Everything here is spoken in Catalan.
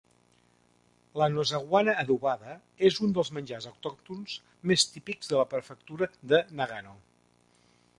La nozawana adobada és un dels menjars autòctons més típics de la prefectura de Nagano.